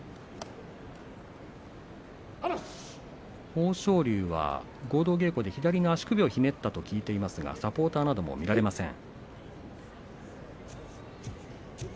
豊昇龍、合同稽古で左の足首をひねったという話を聞いていますがサポーターはしていません。